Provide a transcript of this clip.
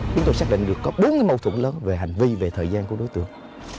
chúng tôi xác định được có bốn mâu thuẫn lớn về hành vi về thời gian của đối tượng